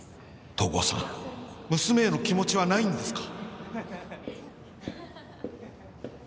東郷さん娘への気持ちはないんですか？